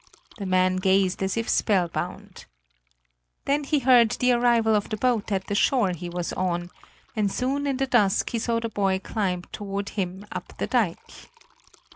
The man gazed as if spellbound. Then he heard the arrival of the boat at the shore he was on, and soon in the dusk he saw the boy climb toward him up the dike.